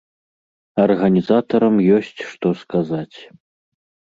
Арганізатарам ёсць што сказаць!